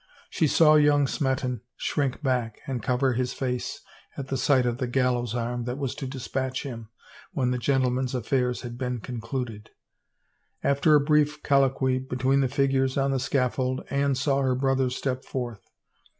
She saw young Smeton shrink back and cover his face at the sight of the gallows arm that was to dispatch him when the gentlemen's affairs had been concluded. After a brief colloquy between the figures on the scaffold Anne saw her brother step forth.